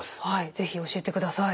是非教えてください。